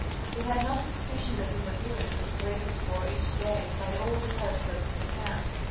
He had no suspicion that his appearance was waited for each day by all the telescopes in the town.